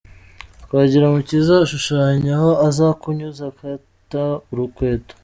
Twagirumukiza ashushanya aho aza kunyuza akata urukweto.